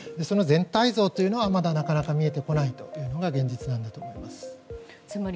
その全体像はまだなかなか見えてこないというのが現実なんだと思います。